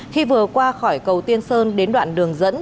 khi vừa qua khỏi cầu tiên sơn đến đoạn đường dẫn